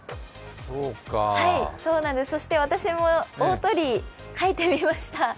そして私も大鳥居描いてみました。